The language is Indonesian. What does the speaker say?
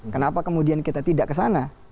kenapa kemudian kita tidak ke sana